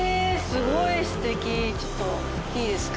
すごい素敵ちょっといいですか？